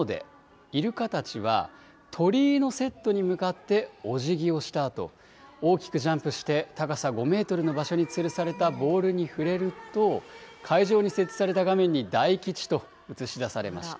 イルカたちは、鳥居のセットに向かっておじぎをしたあと、大きくジャンプして、高さ５メートルの場所につるされたボールに触れると、会場に設置された画面に大吉と映し出されました。